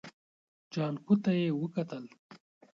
جانکو ته يې وکتل.